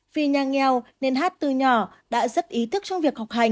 vì nhà nghèo nên hát từ nhỏ đã rất ý thức trong việc học hành